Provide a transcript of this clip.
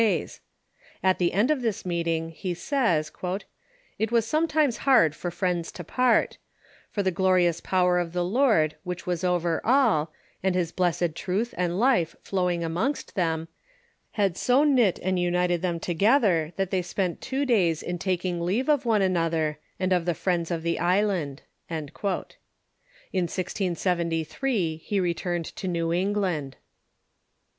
days. At the end of this meeting he saj'S : "It was 36 562 THE CHURCH IX THE UNITED STATES sometimes hard for Friends to part ; for tlie glorious power of the Lord, which was over all, and his blessed truth and life flowing amongst them, had so knit and united them together that they spent two days in taking leave one of another, and of the Friends of the island." In 1673 he returned to Eng land.